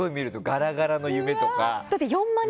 ガラガラの夢とか。